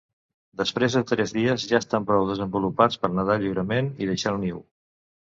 Després de tres dies, ja estan prou desenvolupats per nedar lliurement i deixar el niu.